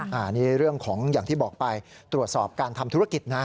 อันนี้เรื่องของอย่างที่บอกไปตรวจสอบการทำธุรกิจนะ